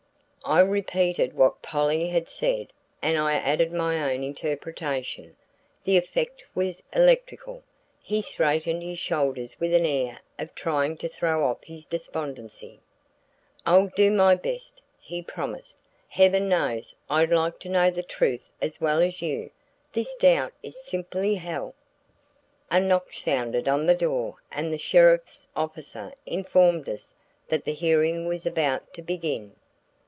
I repeated what Polly had said and I added my own interpretation. The effect was electrical. He straightened his shoulders with an air of trying to throw off his despondency. "I'll do my best," he promised. "Heaven knows I'd like to know the truth as well as you this doubt is simply hell!" A knock sounded on the door and a sheriff's officer informed us that the hearing was about to begin.